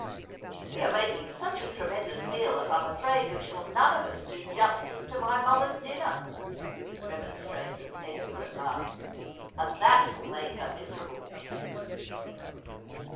' We are making such a tremendous meal that I'm afraid we shall none of us do justice to my mother's dinner,' remonstrated Edgar at last, ' and that will make her miserable.'